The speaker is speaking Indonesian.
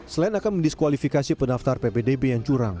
selain akan mendiskualifikasi pendaftar ppdb yang curang